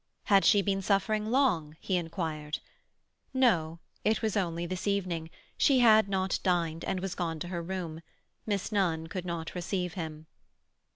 Had she been suffering long? he inquired. No; it was only this evening; she had not dined, and was gone to her room. Miss Nunn could not receive him.